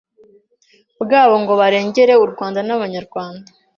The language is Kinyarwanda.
bwabo ngo barengere u Rwanda n’abanyarwanda.